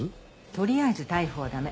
とりあえず逮捕は駄目。